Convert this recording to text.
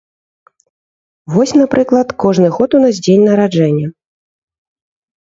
Вось, напрыклад, кожны год у нас дзень нараджэння.